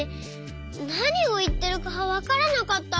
なにをいってるかわからなかった。